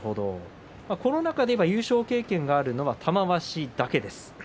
この中で優勝経験があるのは玉鷲だけです。